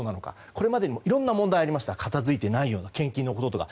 これまでにもいろんな問題がありました片付いていないような献金のこととか。